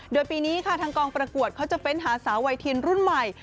โดยปีนี้ค่ะทางกองประกวดเขาจะเฟ้นหาสาวไวทินรุ่นใหม่